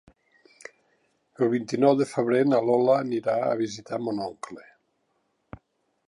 El vint-i-nou de febrer na Lola anirà a visitar mon oncle.